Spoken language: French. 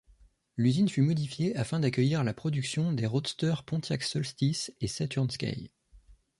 L'usine fut modifiée afin d'accueillir la production des roadsters Pontiac Solstice et Saturn Sky.